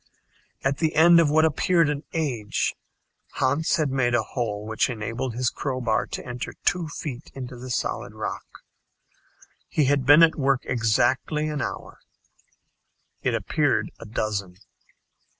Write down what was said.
At the end of what appeared an age, Hans had made a hole which enabled his crowbar to enter two feet into the solid rock. He had been at work exactly an hour. It appeared a dozen.